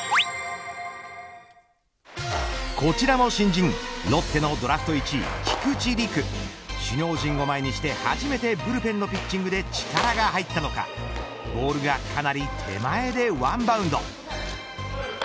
こちらも新人ロッテのドラフト１位、菊地吏玖首脳陣を前にして初めてブルペンのピッチングで力が入ったのかボールがかなり手前でワンバウンド。